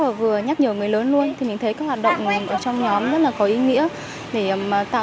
và vừa nhắc nhở người lớn luôn thì mình thấy các hoạt động ở trong nhóm rất là có ý nghĩa để tạo